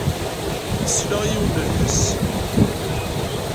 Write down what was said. Tesla i yiwen n lḥess.